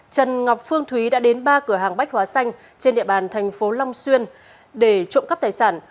trần ngọc phương thúy đã đến ba cửa hàng bách hóa xanh trên địa bàn thành phố long xuyên để trộm cắp tài sản